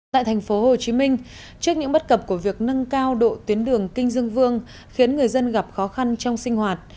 tại tp hcm trước những bất cập của việc nâng cao độ tuyến đường kinh dương vương khiến người dân gặp khó khăn trong sinh hoạt